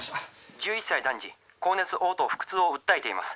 ☎１１歳男児高熱おう吐腹痛をうったえています